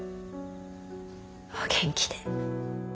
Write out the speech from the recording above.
お元気で。